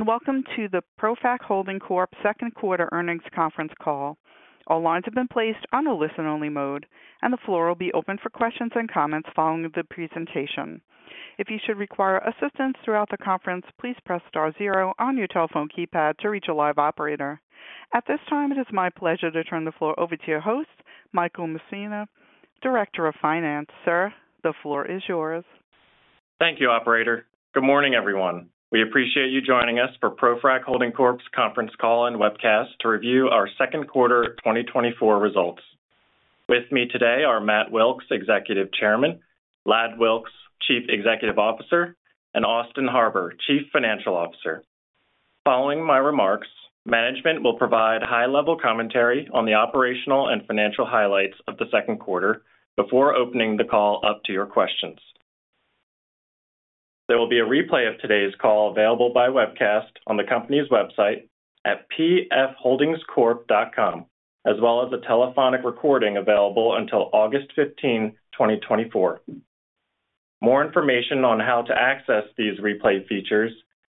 Welcome to the ProFrac Holding Corp.'s Q2 earnings conference call. All lines have been placed on a listen-only mode, and the floor will be open for questions and comments following the presentation. If you should require assistance throughout the conference, please press star zero on your telephone keypad to reach a live operator. At this time, it is my pleasure to turn the floor over to your host, Michael Messina, Director of Finance. Sir, the floor is yours. Thank you, operator. Good morning, everyone. We appreciate you joining us for ProFrac Holding Corp's conference call and webcast to review our Q2 of 2024 results. With me today are Matt Wilks, Executive Chairman, Ladd Wilks, Chief Executive Officer, and Austin Harbour, Chief Financial Officer. Following my remarks, management will provide high-level commentary on the operational and financial highlights of the Q2 before opening the call up to your questions. There will be a replay of today's call available by webcast on the company's website at pfholdingscorp.com, as well as a telephonic recording available until August 15, 2024. More information on how to access these replay features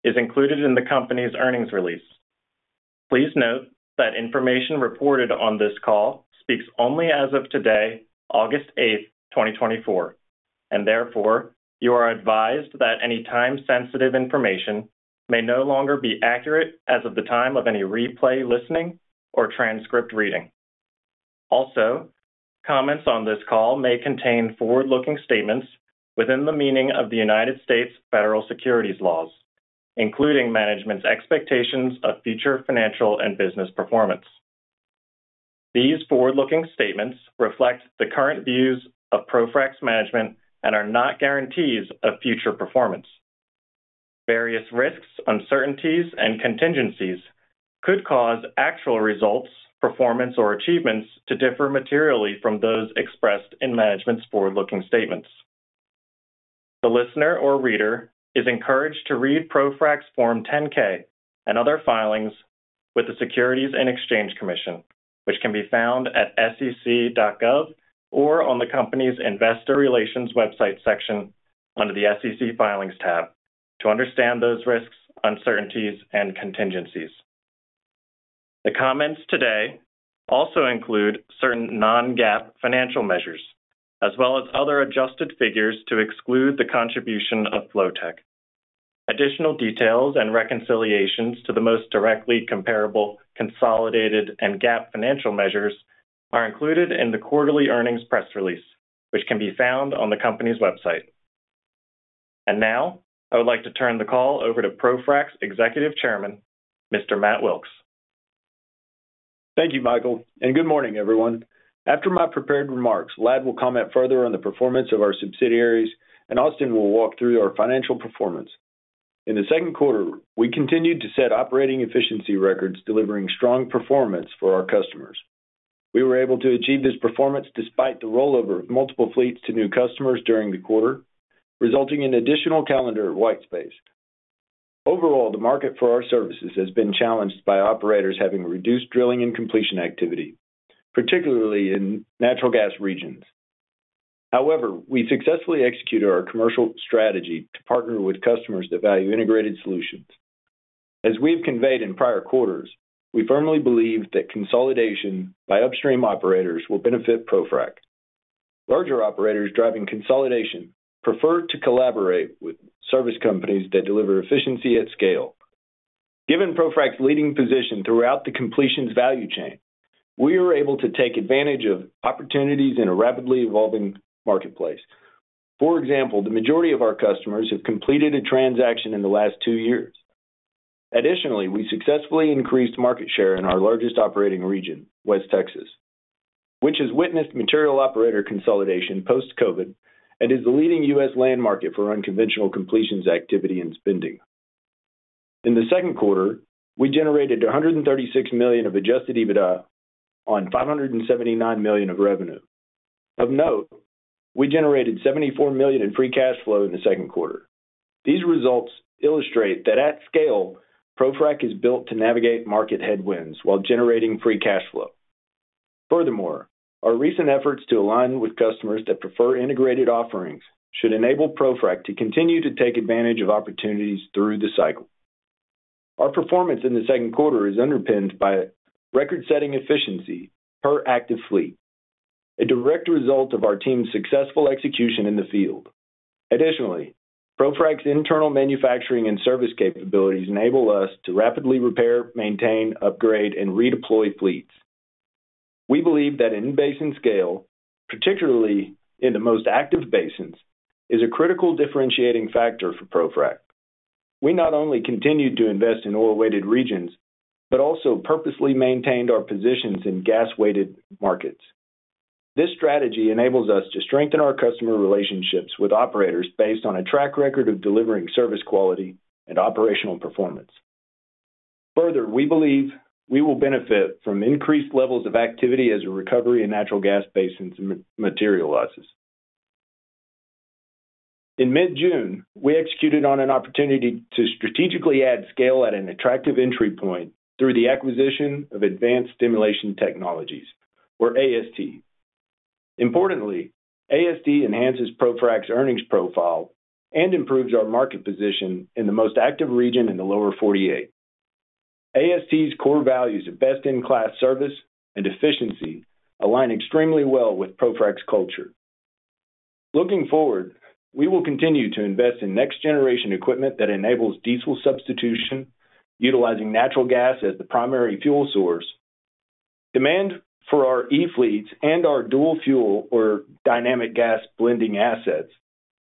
is included in the company's earnings release. Please note that information reported on this call speaks only as of today, August 8, 2024, and therefore, you are advised that any time-sensitive information may no longer be accurate as of the time of any replay listening or transcript reading. Also, comments on this call may contain forward-looking statements within the meaning of the United States federal securities laws, including management's expectations of future financial and business performance. These forward-looking statements reflect the current views of ProFrac's management and are not guarantees of future performance. Various risks, uncertainties, and contingencies could cause actual results, performance, or achievements to differ materially from those expressed in management's forward-looking statements. The listener or reader is encouraged to read ProFrac's Form 10-K and other filings with the Securities and Exchange Commission, which can be found at sec.gov or on the company's investor relations website section under the SEC Filings tab, to understand those risks, uncertainties and contingencies. The comments today also include certain non-GAAP financial measures, as well as other adjusted figures, to exclude the contribution of Flotek. Additional details and reconciliations to the most directly comparable, consolidated and GAAP financial measures are included in the quarterly earnings press release, which can be found on the company's website. Now, I would like to turn the call over to ProFrac's Executive Chairman, Mr. Matt Wilks. Thank you, Michael, and good morning, everyone. After my prepared remarks, Ladd will comment further on the performance of our subsidiaries, and Austin will walk through our financial performance. In the Q2, we continued to set operating efficiency records, delivering strong performance for our customers. We were able to achieve this performance despite the rollover of multiple fleets to new customers during the quarter, resulting in additional calendar white space. Overall, the market for our services has been challenged by operators having reduced drilling and completion activity, particularly in natural gas regions. However, we successfully executed our commercial strategy to partner with customers that value integrated solutions. As we've conveyed in prior quarters, we firmly believe that consolidation by upstream operators will benefit ProFrac. Larger operators driving consolidation prefer to collaborate with service companies that deliver efficiency at scale. Given ProFrac's leading position throughout the completions value chain, we are able to take advantage of opportunities in a rapidly evolving marketplace. For example, the majority of our customers have completed a transaction in the last two years. Additionally, we successfully increased market share in our largest operating region, West Texas, which has witnessed material operator consolidation post-COVID and is the leading U.S. land market for unconventional completions activity and spending. In the Q2, we generated $136 million of adjusted EBITDA on $579 million of revenue. Of note, we generated $74 million in free cash flow in the Q2. These results illustrate that at scale, ProFrac is built to navigate market headwinds while generating free cash flow. Furthermore, our recent efforts to align with customers that prefer integrated offerings should enable ProFrac to continue to take advantage of opportunities through the cycle. Our performance in the Q2 is underpinned by record-setting efficiency per active fleet, a direct result of our team's successful execution in the field. Additionally, ProFrac's internal manufacturing and service capabilities enable us to rapidly repair, maintain, upgrade, and redeploy fleets. We believe that in-basin scale, particularly in the most active basins, is a critical differentiating factor for ProFrac. We not only continued to invest in oil-weighted regions, but also purposely maintained our positions in gas-weighted markets. This strategy enables us to strengthen our customer relationships with operators based on a track record of delivering service quality and operational performance. Further, we believe we will benefit from increased levels of activity as a recovery in natural gas basins materializes. In mid-June, we executed on an opportunity to strategically add scale at an attractive entry point through the acquisition of Advanced Stimulation Technologies, or AST.... Importantly, AST enhances ProFrac's earnings profile and improves our market position in the most active region in the Lower 48. AST's core values of best-in-class service and efficiency align extremely well with ProFrac's culture. Looking forward, we will continue to invest in next-generation equipment that enables diesel substitution, utilizing natural gas as the primary fuel source. Demand for our E-fleets and our Dual Fuel or Dynamic Gas Blending assets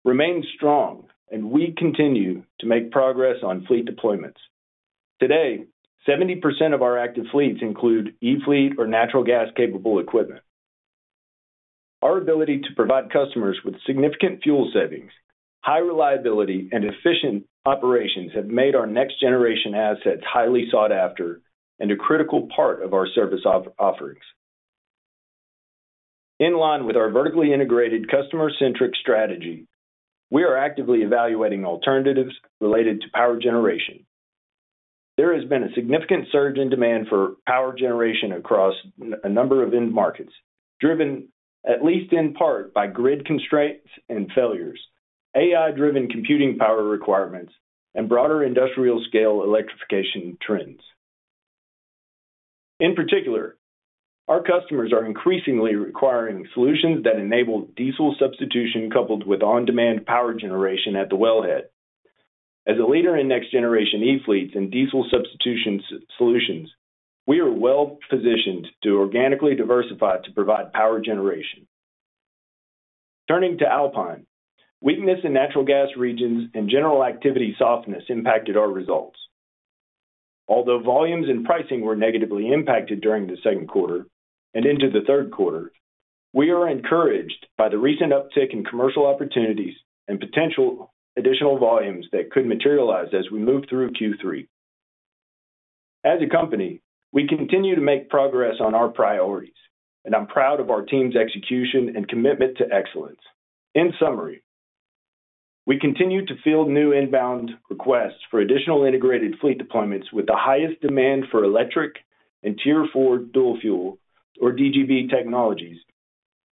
remains strong, and we continue to make progress on fleet deployments. Today, 70% of our active fleets include E-fleet or natural gas-capable equipment. Our ability to provide customers with significant fuel savings, high reliability, and efficient operations have made our next-generation assets highly sought after and a critical part of our service offerings. In line with our vertically integrated, customer-centric strategy, we are actively evaluating alternatives related to power generation. There has been a significant surge in demand for power generation across a number of end markets, driven at least in part by grid constraints and failures, AI-driven computing power requirements, and broader industrial-scale electrification trends. In particular, our customers are increasingly requiring solutions that enable diesel substitution coupled with on-demand power generation at the wellhead. As a leader in next-generation E-fleets and diesel substitution solutions, we are well positioned to organically diversify to provide power generation. Turning to Alpine, weakness in natural gas regions and general activity softness impacted our results. Although volumes and pricing were negatively impacted during the Q2 and into the Q3, we are encouraged by the recent uptick in commercial opportunities and potential additional volumes that could materialize as we move through Q3. As a company, we continue to make progress on our priorities, and I'm proud of our team's execution and commitment to excellence. In summary, we continue to field new inbound requests for additional integrated fleet deployments with the highest demand for electric and Tier 4 dual fuel or DGB technologies.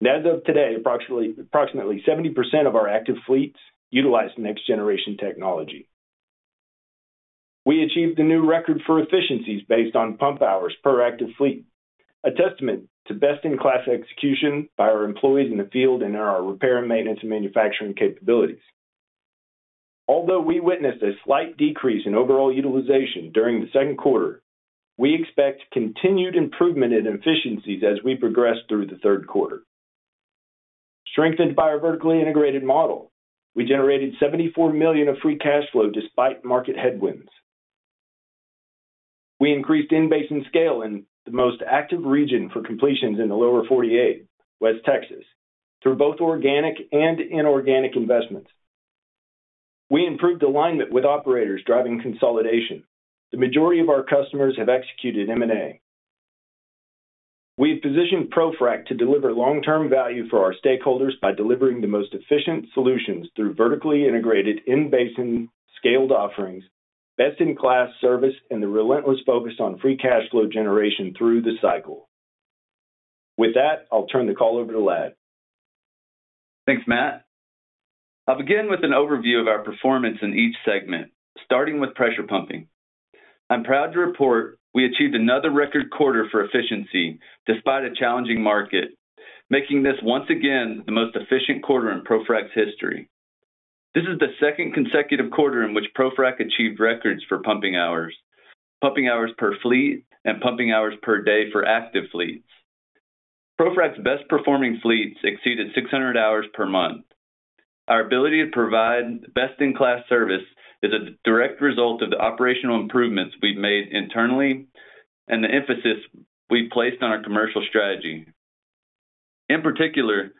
And as of today, approximately 70% of our active fleets utilize next-generation technology. We achieved a new record for efficiencies based on pump hours per active fleet, a testament to best-in-class execution by our employees in the field and in our repair and maintenance and manufacturing capabilities. Although we witnessed a slight decrease in overall utilization during the Q2, we expect continued improvement in efficiencies as we progress through the Q3. Strengthened by our vertically integrated model, we generated $74 million of free cash flow despite market headwinds. We increased in-basin scale in the most active region for completions in the Lower 48, West Texas, through both organic and inorganic investments. We improved alignment with operators driving consolidation. The majority of our customers have executed M&A. We've positioned ProFrac to deliver long-term value for our stakeholders by delivering the most efficient solutions through vertically integrated in-basin scaled offerings, best-in-class service, and the relentless focus on free cash flow generation through the cycle. With that, I'll turn the call over to Ladd. Thanks, Matt. I'll begin with an overview of our performance in each segment, starting with Pressure Pumping. I'm proud to report we achieved another record quarter for efficiency despite a challenging market, making this once again the most efficient quarter in ProFrac's history. This is the consecutive Q2 in which ProFrac achieved records for pumping hours, pumping hours per fleet, and pumping hours per day for active fleets. ProFrac's best-performing fleets exceeded 600 hours per month. Our ability to provide best-in-class service is a direct result of the operational improvements we've made internally and the emphasis we've placed on our commercial strategy. In particular,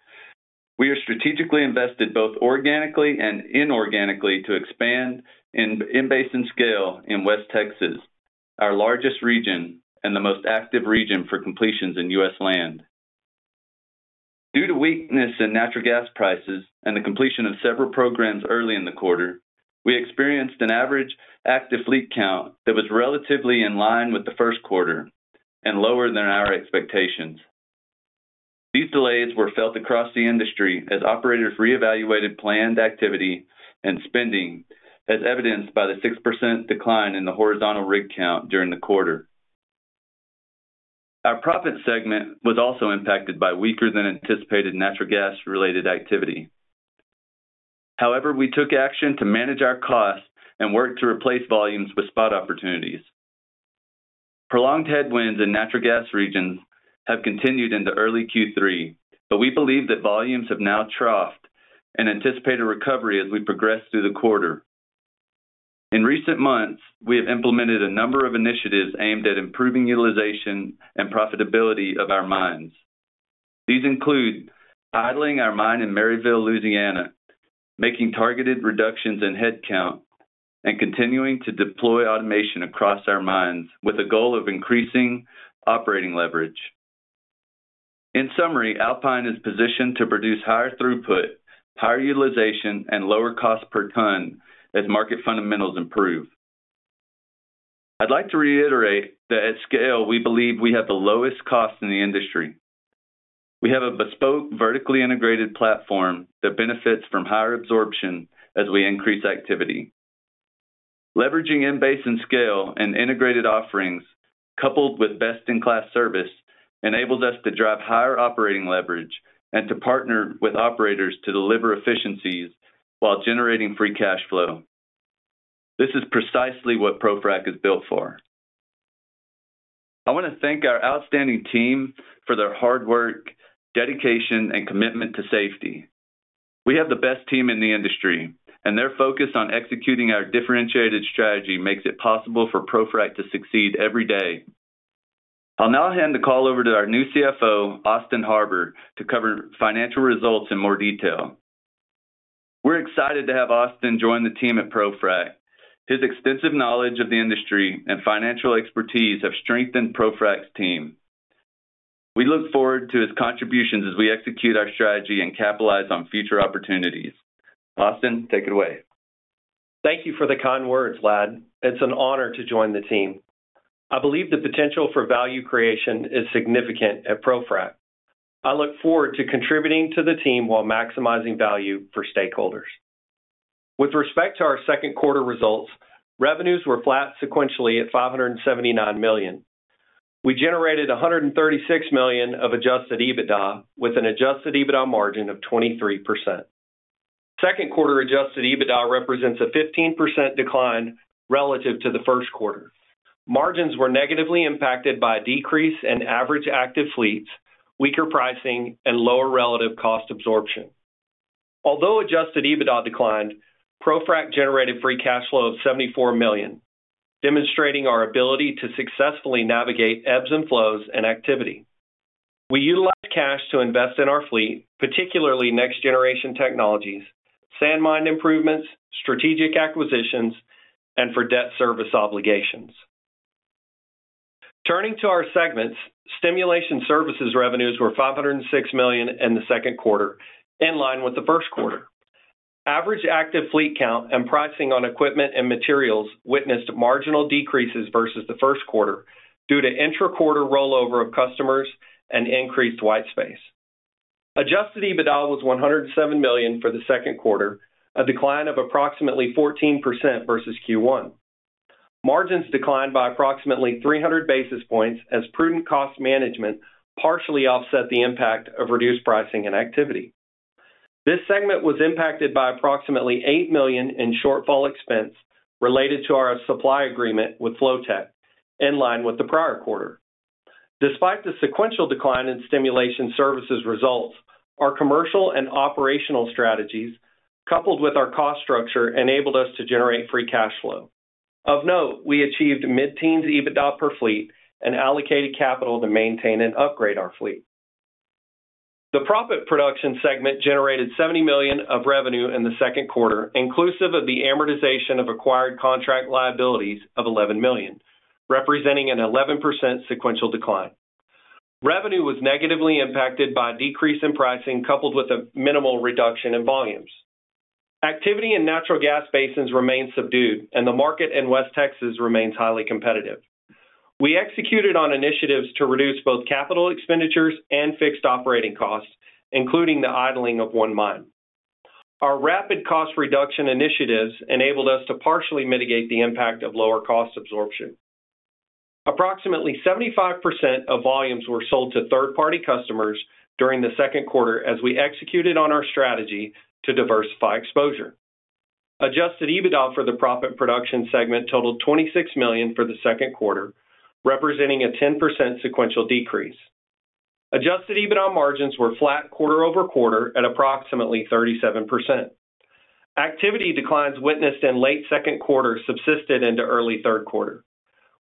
we are strategically invested, both organically and inorganically, to expand in-basin scale in West Texas, our largest region and the most active region for completions in U.S. Land. Due to weakness in natural gas prices and the completion of several programs early in the quarter, we experienced an average active fleet count that was relatively in line with the Q1 and lower than our expectations. These delays were felt across the industry as operators reevaluated planned activity and spending, as evidenced by the 6% decline in the horizontal rig count during the quarter. Our proppant segment was also impacted by weaker than anticipated natural gas-related activity. However, we took action to manage our costs and worked to replace volumes with spot opportunities. Prolonged headwinds in natural gas regions have continued into early Q3, but we believe that volumes have now troughed and anticipate a recovery as we progress through the quarter. In recent months, we have implemented a number of initiatives aimed at improving utilization and profitability of our mines. These include idling our mine in Merryville, Louisiana, making targeted reductions in headcount, and continuing to deploy automation across our mines, with a goal of increasing operating leverage. In summary, Alpine is positioned to produce higher throughput, higher utilization, and lower cost per ton as market fundamentals improve. I'd like to reiterate that at scale, we believe we have the lowest cost in the industry. We have a bespoke, vertically integrated platform that benefits from higher absorption as we increase activity. Leveraging in-basin scale and integrated offerings, coupled with best-in-class service, enables us to drive higher operating leverage and to partner with operators to deliver efficiencies while generating free cash flow. This is precisely what ProFrac is built for. I want to thank our outstanding team for their hard work, dedication, and commitment to safety. We have the best team in the industry, and their focus on executing our differentiated strategy makes it possible for ProFrac to succeed every day. I'll now hand the call over to our new CFO, Austin Harbour, to cover financial results in more detail. We're excited to have Austin join the team at ProFrac. His extensive knowledge of the industry and financial expertise have strengthened ProFrac's team. We look forward to his contributions as we execute our strategy and capitalize on future opportunities. Austin, take it away. Thank you for the kind words, Ladd. It's an honor to join the team. I believe the potential for value creation is significant at ProFrac. I look forward to contributing to the team while maximizing value for stakeholders. With respect to our Q1 results, revenues were flat sequentially at $579 million. We generated $136 million of adjusted EBITDA, with an adjusted EBITDA margin of 23%. Q2 adjusted EBITDA represents a 15% decline relative to the Q1. Margins were negatively impacted by a decrease in average active fleets, weaker pricing, and lower relative cost absorption. Although adjusted EBITDA declined, ProFrac generated free cash flow of $74 million, demonstrating our ability to successfully navigate ebbs and flows and activity. We utilized cash to invest in our fleet, particularly next-generation technologies, sand mine improvements, strategic acquisitions, and for debt service obligations. Turning to our segments, Stimulation Services revenues were $506 million in the Q2, in line with the Q1. Average active fleet count and pricing on equipment and materials witnessed marginal decreases versus the Q1 due to intra-quarter rollover of customers and increased white space. Adjusted EBITDA was $107 million for the Q1, a decline of approximately 14% versus Q1. Margins declined by approximately 300 basis points as prudent cost management partially offset the impact of reduced pricing and activity. This segment was impacted by approximately $8 million in shortfall expense related to our supply agreement with Flotek, in line with the prior quarter. Despite the sequential decline in Stimulation Services results, our commercial and operational strategies, coupled with our cost structure, enabled us to generate free cash flow. Of note, we achieved mid-teens EBITDA per fleet and allocated capital to maintain and upgrade our fleet. The Proppant production segment generated $70 million of revenue in the Q2, inclusive of the amortization of acquired contract liabilities of $11 million, representing an 11% sequential decline. Revenue was negatively impacted by a decrease in pricing, coupled with a minimal reduction in volumes. Activity in natural gas basins remains subdued, and the market in West Texas remains highly competitive. We executed on initiatives to reduce both capital expenditures and fixed operating costs, including the idling of one mine. Our rapid cost reduction initiatives enabled us to partially mitigate the impact of lower cost absorption. Approximately 75% of volumes were sold to third-party customers during the Q2 as we executed on our strategy to diversify exposure. Adjusted EBITDA for the Proppant production segment totaled $26 million for the Q2, representing a 10% sequential decrease. Adjusted EBITDA margins were flat quarter-over-quarter at approximately 37%. Activity declines witnessed in late Q2 subsisted into early Q3.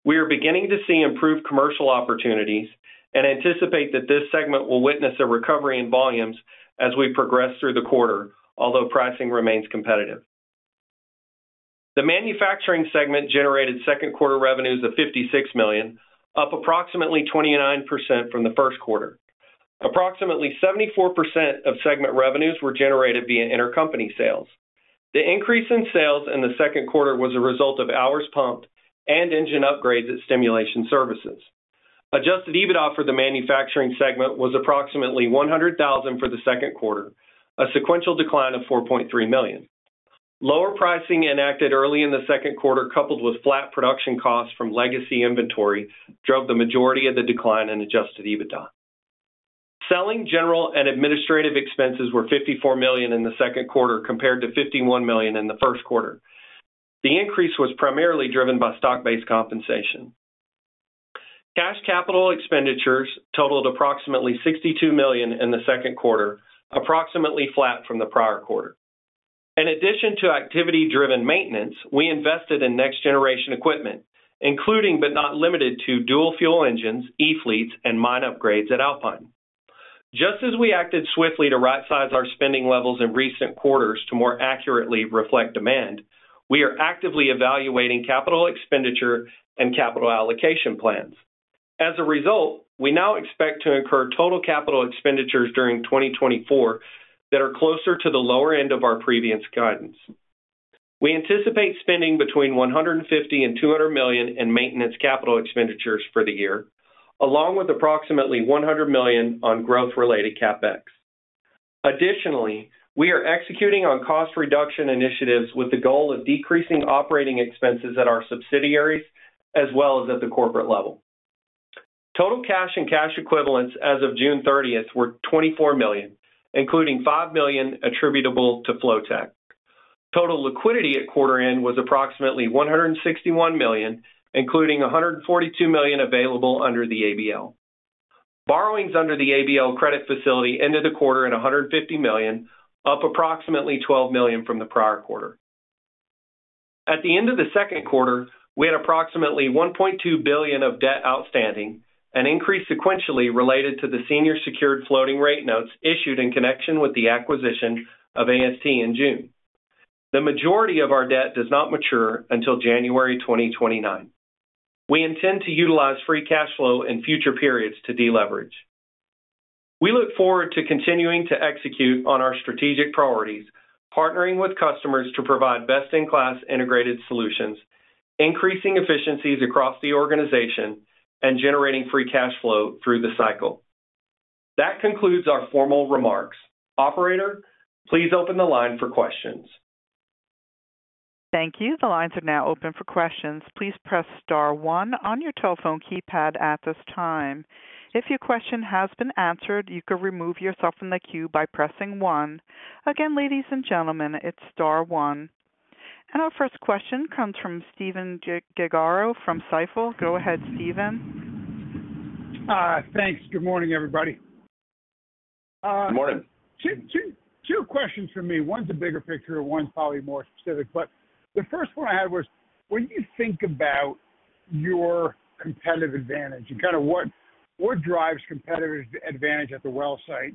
We are beginning to see improved commercial opportunities and anticipate that this segment will witness a recovery in volumes as we progress through the quarter, although pricing remains competitive. The Manufacturing segment generated Q2 revenues of $56 million, up approximately 29% from the Q1. Approximately 74% of segment revenues were generated via intercompany sales. The increase in sales in the Q2 was a result of hours pumped and engine upgrades at Stimulation services. Adjusted EBITDA for the Manufacturing segment was approximately $100,000 for the Q2, a sequential decline of $4.3 million. Lower pricing enacted early in the Q2, coupled with flat production costs from legacy inventory, drove the majority of the decline in Adjusted EBITDA. Selling, general, and administrative expenses were $54 million in the Q2, compared to $51 million in the Q1. The increase was primarily driven by stock-based compensation. Cash capital expenditures totaled approximately $62 million in the Q2, approximately flat from the prior quarter. In addition to activity-driven maintenance, we invested in next-generation equipment, including but not limited to Dual Fuel engines, E-fleets, and mine upgrades at Alpine. Just as we acted swiftly to rightsize our spending levels in recent quarters to more accurately reflect demand, we are actively evaluating capital expenditure and capital allocation plans. ...As a result, we now expect to incur total capital expenditures during 2024 that are closer to the lower end of our previous guidance. We anticipate spending between $150 million and $200 million in maintenance capital expenditures for the year, along with approximately $100 million on growth-related CapEx. Additionally, we are executing on cost reduction initiatives with the goal of decreasing operating expenses at our subsidiaries as well as at the corporate level. Total cash and cash equivalents as of June thirtieth, were $24 million, including $5 million attributable to Flotek. Total liquidity at quarter end was approximately $161 million, including $142 million available under the ABL. Borrowings under the ABL credit facility ended the quarter at $150 million, up approximately $12 million from the prior quarter. At the end of the Q2, we had approximately $1.2 billion of debt outstanding, an increase sequentially related to the senior secured floating rate notes issued in connection with the acquisition of AST in June. The majority of our debt does not mature until January 2029. We intend to utilize free cash flow in future periods to deleverage. We look forward to continuing to execute on our strategic priorities, partnering with customers to provide best-in-class integrated solutions, increasing efficiencies across the organization, and generating free cash flow through the cycle. That concludes our formal remarks. Operator, please open the line for questions. Thank you. The lines are now open for questions. Please press star one on your telephone keypad at this time. If your question has been answered, you can remove yourself from the queue by pressing one. Again, ladies and gentlemen, it's star one. And our first question comes from Stephen Gengaro from Stifel. Go ahead, Stephen. Thanks. Good morning, everybody. Good morning. 2 questions from me. One's a bigger picture, one's probably more specific. But the first one I had was, when you think about your competitive advantage and kind of what drives competitive advantage at the well site,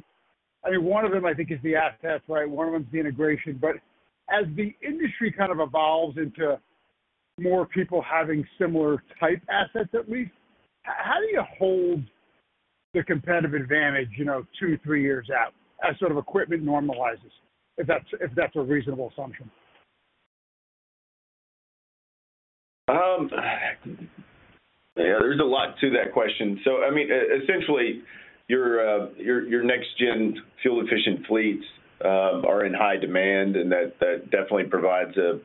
I mean, one of them, I think, is the assets, right? One of them is the integration. But as the industry kind of evolves into more people having similar type assets, at least, how do you hold the competitive advantage, you know, 2, 3 years out as sort of equipment normalizes? If that's a reasonable assumption. There's a lot to that question. So, I mean, essentially, your next gen fuel efficient fleets are in high demand, and that definitely provides a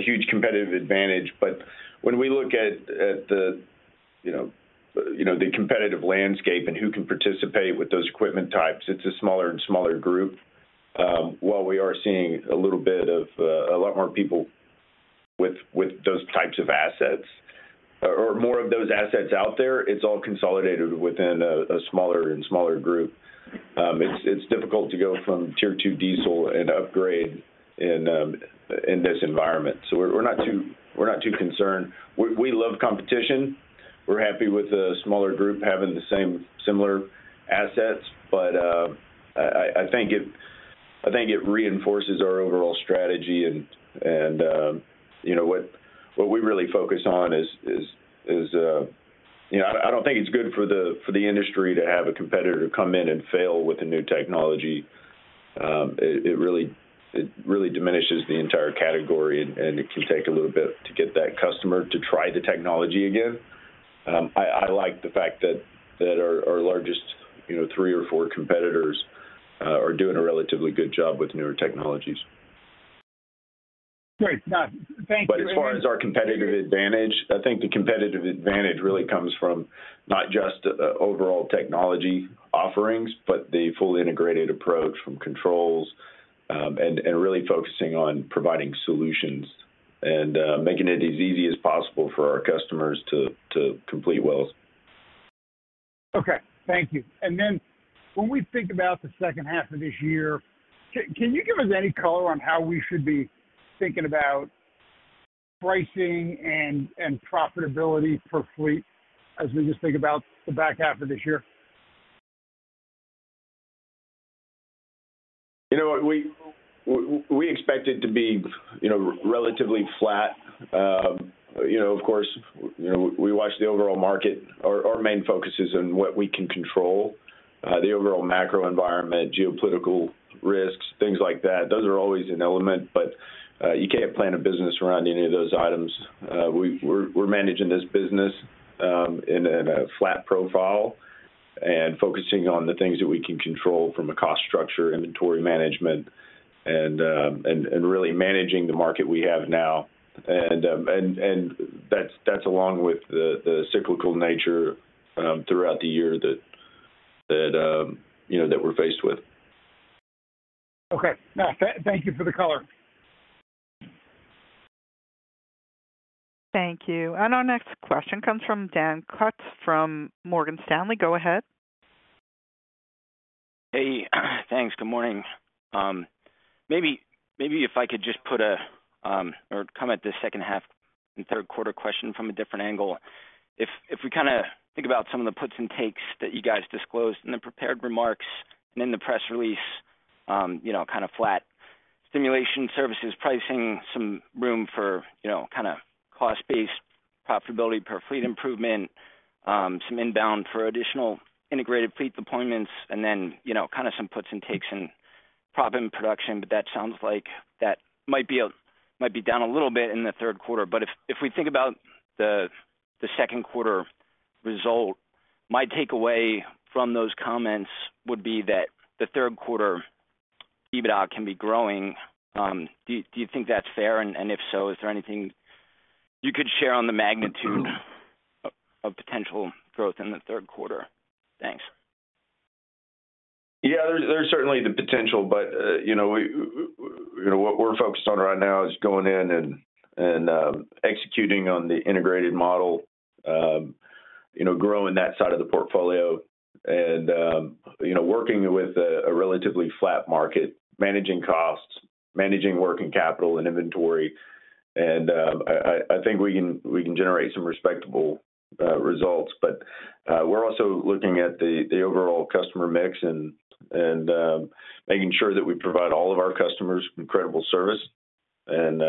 huge competitive advantage. But when we look at the, you know, the competitive landscape and who can participate with those equipment types, it's a smaller and smaller group. While we are seeing a little bit of a lot more people with those types of assets or more of those assets out there, it's all consolidated within a smaller and smaller group. It's difficult to go from tier two diesel and upgrade in this environment. So we're not too concerned. We love competition. We're happy with a smaller group having the same similar assets. But, I think it reinforces our overall strategy. You know, what we really focus on is, you know... I don't think it's good for the industry to have a competitor come in and fail with a new technology. It really diminishes the entire category, and it can take a little bit to get that customer to try the technology again. I like the fact that our largest, you know, three or four competitors are doing a relatively good job with newer technologies. Great. Got it. Thank you. But as far as our competitive advantage, I think the competitive advantage really comes from not just overall technology offerings, but the fully integrated approach from controls, and really focusing on providing solutions and making it as easy as possible for our customers to complete wells. Okay, thank you. And then when we think about the second half of this year, can you give us any color on how we should be thinking about pricing and profitability per fleet as we just think about the back half of this year? You know what? We expect it to be, you know, relatively flat. You know, of course, you know, we watch the overall market. Our main focus is on what we can control. The overall macro environment, geopolitical risks, things like that, those are always an element, but you can't plan a business around any of those items. We're managing this business in a flat profile and focusing on the things that we can control from a cost structure, inventory management, and really managing the market we have now. And that's along with the cyclical nature throughout the year that you know that we're faced with. Okay. Thank you for the color. Thank you. Our next question comes from Dan Kutz, from Morgan Stanley. Go ahead. Hey, thanks. Good morning. Maybe, maybe if I could just put a or come at the second half and Q3 question from a different angle. If, if we kind of think about some of the puts and takes that you guys disclosed in the prepared remarks and in the press release, you know, kind of flat stimulation services pricing, some room for, you know, kind of cost-based profitability per fleet improvement, some inbound for additional integrated fleet deployments, and then, you know, kind of some puts and takes in proppant production. But that sounds like that might be a, might be down a little bit in the Q3. But if, if we think about the, the Q2 result, my takeaway from those comments would be that the Q3 EBITDA can be growing. Do, do you think that's fair? If so, is there anything you could share on the magnitude of potential growth in the Q3? Thanks. Yeah, there's certainly the potential, but, you know, what we're focused on right now is going in and executing on the integrated model. You know, growing that side of the portfolio and, you know, working with a relatively flat market, managing costs, managing working capital and inventory. And, I think we can generate some respectable results. But, we're also looking at the overall customer mix and making sure that we provide all of our customers incredible service. And,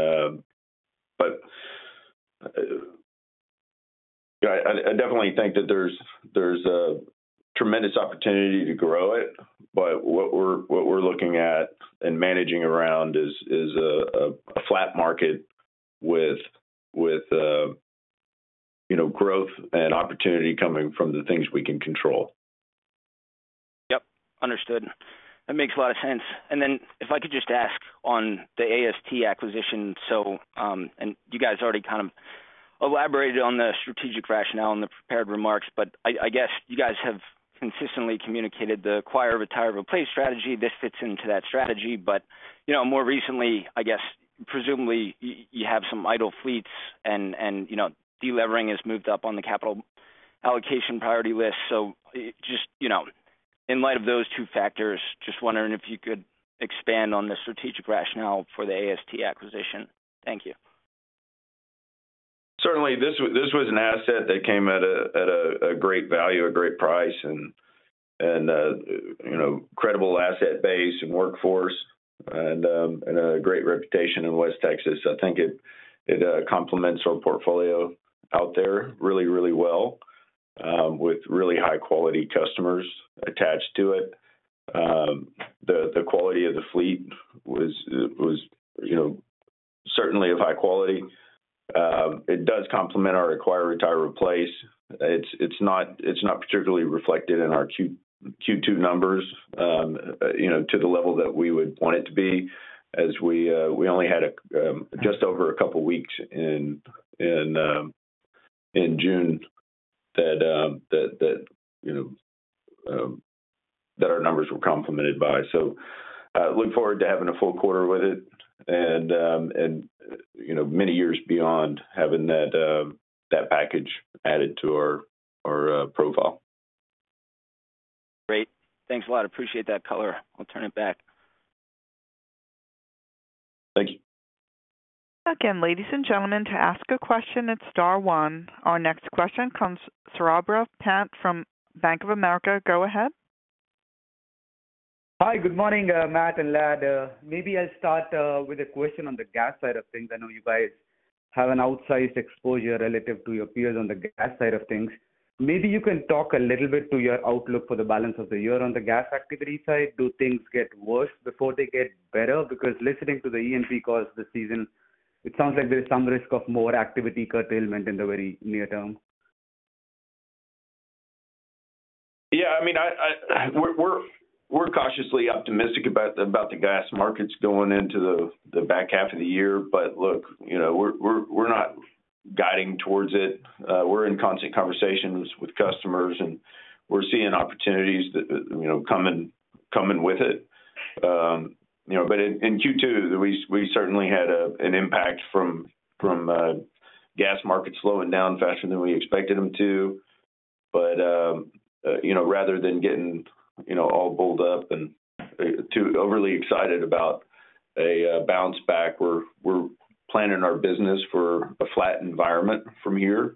but, I definitely think that there's a tremendous opportunity to grow it, but what we're looking at and managing around is a flat market with, you know, growth and opportunity coming from the things we can control. Yep, understood. That makes a lot of sense. And then if I could just ask on the AST acquisition, so, and you guys already kind of elaborated on the strategic rationale in the prepared remarks, but I guess you guys have consistently communicated the acquire-to-replace strategy. This fits into that strategy. But, you know, more recently, I guess, presumably, you have some idle fleets and, and, you know, delevering has moved up on the capital allocation priority list. So just, you know, in light of those two factors, just wondering if you could expand on the strategic rationale for the AST acquisition. Thank you. Certainly. This was an asset that came at a great value, a great price and, you know, credible asset base and workforce and a great reputation in West Texas. I think it complements our portfolio out there really, really well, with really high-quality customers attached to it. The quality of the fleet was, you know, certainly of high quality. It does complement our acquire, retire, replace. It's not particularly reflected in our Q2 numbers, you know, to the level that we would want it to be, as we only had just over a couple of weeks in June, you know, that our numbers were complemented by. So, look forward to having a full quarter with it and, you know, many years beyond having that package added to our profile. Great. Thanks a lot. Appreciate that color. I'll turn it back. Thank you. Again, ladies and gentlemen, to ask a question, it's star one. Our next question comes from Saurabh Pant from Bank of America. Go ahead. Hi, good morning, Matt and Ladd. Maybe I'll start with a question on the gas side of things. I know you guys have an outsized exposure relative to your peers on the gas side of things. Maybe you can talk a little bit to your outlook for the balance of the year on the gas activity side. Do things get worse before they get better? Because listening to the E&P calls this season, it sounds like there is some risk of more activity curtailment in the very near term. Yeah, I mean, we're cautiously optimistic about the gas markets going into the back half of the year. But look, you know, we're not guiding towards it. We're in constant conversations with customers, and we're seeing opportunities that, you know, coming with it. You know, but in Q2, we certainly had an impact from gas markets slowing down faster than we expected them to. But you know, rather than getting, you know, all bulled up and too overly excited about a bounce back, we're planning our business for a flat environment from here.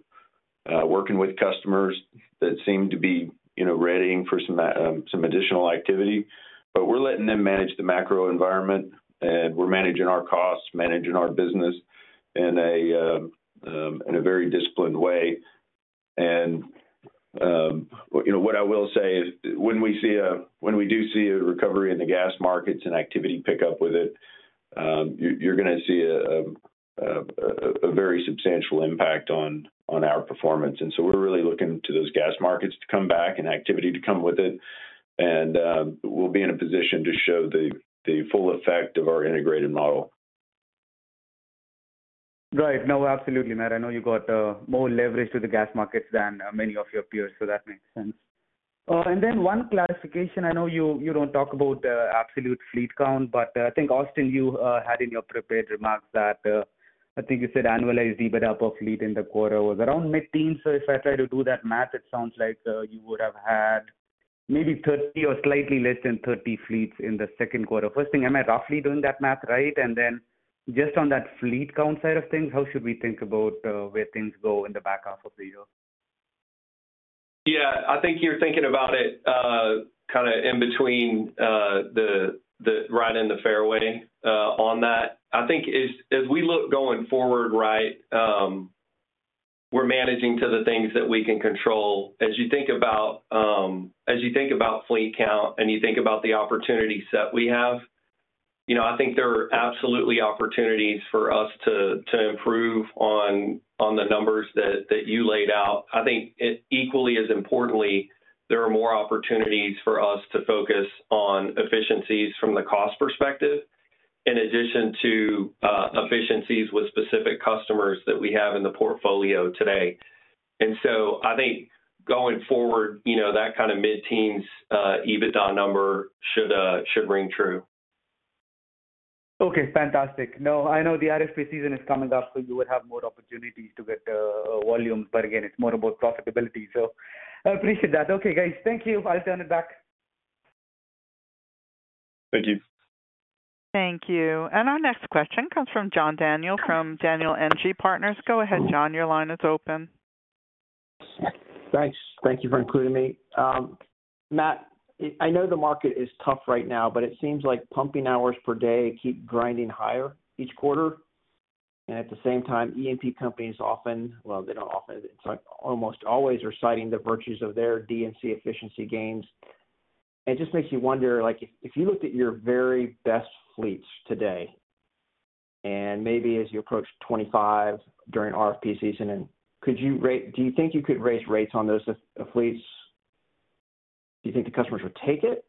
Working with customers that seem to be, you know, readying for some additional activity. But we're letting them manage the macro environment, and we're managing our costs, managing our business in a very disciplined way. You know, what I will say is when we do see a recovery in the gas markets and activity pick up with it, you're gonna see a very substantial impact on our performance. So we're really looking to those gas markets to come back and activity to come with it, and we'll be in a position to show the full effect of our integrated model. Right. No, absolutely, Matt, I know you got more leverage to the gas markets than many of your peers, so that makes sense. And then one clarification. I know you don't talk about the absolute fleet count, but I think, Austin, you had in your prepared remarks that I think you said annualized EBITDA per fleet in the quarter was around mid-teen. So if I try to do that math, it sounds like you would have had maybe 30 or slightly less than 30 fleets in the Q2. First thing, am I roughly doing that math right? And then just on that fleet count side of things, how should we think about where things go in the back half of the year? ... Yeah, I think you're thinking about it, kind of in between, the, the ride and the fairway, on that. I think as, as we look going forward, right, we're managing to the things that we can control. As you think about, as you think about fleet count and you think about the opportunity set we have, you know, I think there are absolutely opportunities for us to, to improve on, on the numbers that, that you laid out. I think it equally, as importantly, there are more opportunities for us to focus on efficiencies from the cost perspective, in addition to, efficiencies with specific customers that we have in the portfolio today. And so I think going forward, you know, that kind of mid-teens, EBITDA number should, should ring true. Okay, fantastic. No, I know the RFP season is coming up, so you would have more opportunities to get volume, but again, it's more about profitability, so I appreciate that. Okay, guys, thank you. I'll turn it back. Thank you. Thank you. Our next question comes from John Daniel from Daniel Energy Partners. Go ahead, John, your line is open. Thanks. Thank you for including me. Matt, I know the market is tough right now, but it seems like pumping hours per day keep grinding higher each quarter. And at the same time, E&P companies often, well, they don't often, it's like almost always, are citing the virtues of their D&C efficiency gains. It just makes you wonder, like, if you looked at your very best fleets today, and maybe as you approach 25 during RFP season, and could you rate—do you think you could raise rates on those fleets? Do you think the customers would take it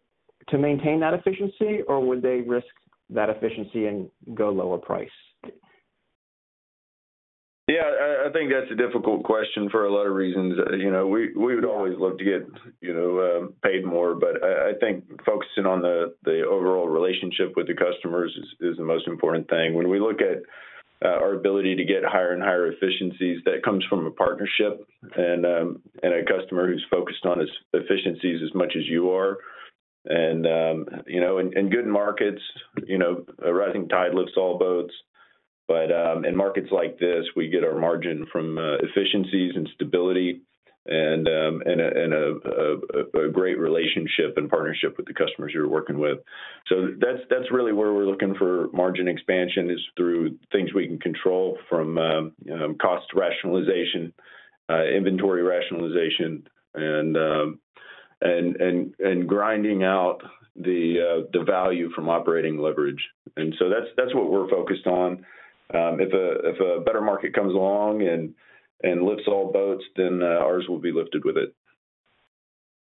to maintain that efficiency, or would they risk that efficiency and go lower price? Yeah, I think that's a difficult question for a lot of reasons. You know, we would always love to get, you know, paid more, but I think focusing on the overall relationship with the customers is the most important thing. When we look at our ability to get higher and higher efficiencies, that comes from a partnership and a customer who's focused on his efficiencies as much as you are. And you know, in good markets, you know, a rising tide lifts all boats. But in markets like this, we get our margin from efficiencies and stability and a great relationship and partnership with the customers you're working with. So that's really where we're looking for margin expansion, is through things we can control from cost rationalization, inventory rationalization, and grinding out the value from operating leverage. And so that's what we're focused on. If a better market comes along and lifts all boats, then ours will be lifted with it.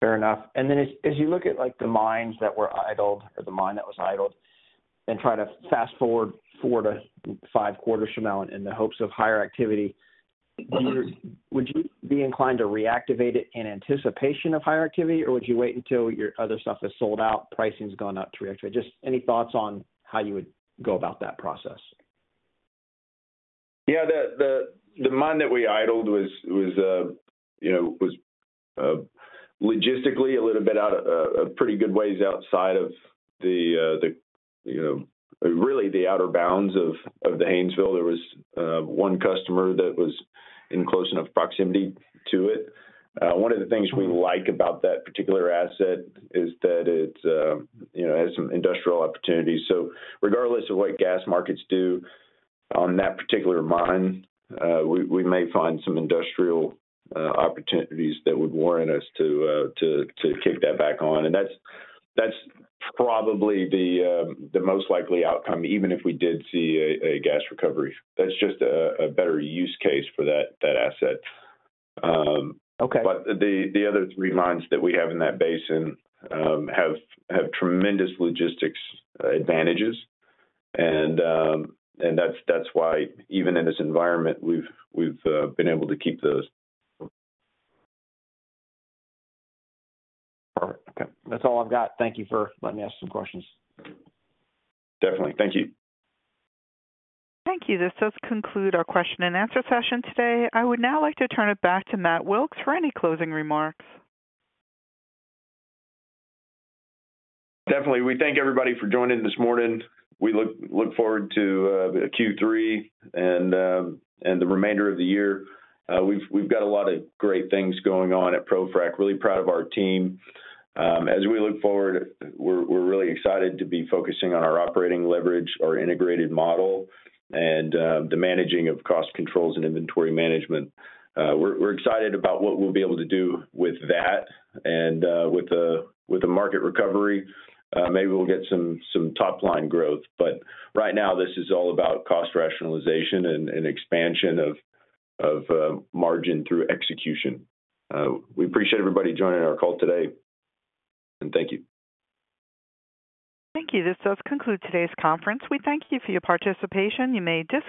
Fair enough. And then as, as you look at, like, the mines that were idled or the mine that was idled, and try to fast-forward Q4-Q5 from now in the hopes of higher activity, would you, would you be inclined to reactivate it in anticipation of higher activity? Or would you wait until your other stuff is sold out, pricing's gone up to reactivate? Just any thoughts on how you would go about that process? Yeah, the mine that we idled was, you know, logistically a little bit out of a pretty good ways outside of the, you know, really, the outer bounds of the Haynesville. There was one customer that was in close enough proximity to it. One of the things we like about that particular asset is that it, you know, has some industrial opportunities. So regardless of what gas markets do on that particular mine, we may find some industrial opportunities that would warrant us to kick that back on. And that's probably the most likely outcome, even if we did see a gas recovery. That's just a better use case for that asset. Okay. But the other three mines that we have in that basin have tremendous logistics advantages, and that's why even in this environment, we've been able to keep those. All right. Okay, that's all I've got. Thank you for letting me ask some questions. Definitely. Thank you. Thank you. This does conclude our question and answer session today. I would now like to turn it back to Matt Wilks for any closing remarks. Definitely. We thank everybody for joining this morning. We look forward to Q3 and the remainder of the year. We've got a lot of great things going on at ProFrac. Really proud of our team. As we look forward, we're really excited to be focusing on our operating leverage, our integrated model, and the managing of cost controls and inventory management. We're excited about what we'll be able to do with that. And with the market recovery, maybe we'll get some top-line growth. But right now, this is all about cost rationalization and expansion of margin through execution. We appreciate everybody joining our call today, and thank you. Thank you. This does conclude today's conference. We thank you for your participation. You may disconnect.